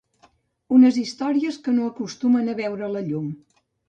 Unes històries que no acostumen a veure la llum.